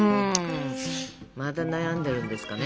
また悩んでるんですかね。